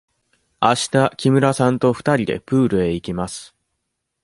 あした木村さんと二人でプールへ行きます。